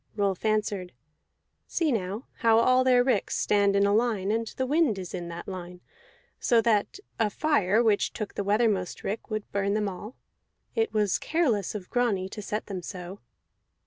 Rolf answered: "See now how all their ricks stand in a line, and the wind is in that line, so that a fire which took the weathermost rick would burn them all. It was careless of Grani to set them so."